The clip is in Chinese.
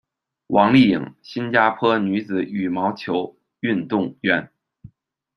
王丽颖，新加坡女子羽毛球运动员。